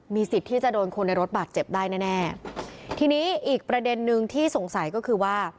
สิทธิ์ที่จะโดนคนในรถบาดเจ็บได้แน่แน่ทีนี้อีกประเด็นนึงที่สงสัยก็คือว่า